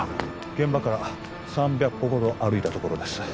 現場から３００歩ほど歩いた所です